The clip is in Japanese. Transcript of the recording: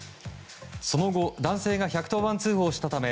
その後男性が１１０番通報したため